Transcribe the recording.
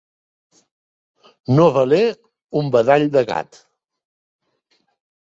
No valer un badall de gat.